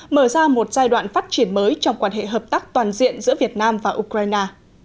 mở ra một giai đoạn phát triển mới trong quan hệ hợp tác toàn diện giữa việt nam và ukraine